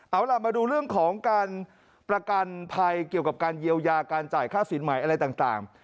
เอาล่ะมาดูเรื่องของการประกันภัยเกี่ยวกับการเยียวยาการจ่ายค่าสินใหม่อะไรต่าง